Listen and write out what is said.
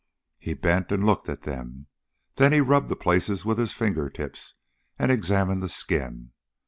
He bent and looked at them. Then he rubbed the places with his fingertips and examined the skin.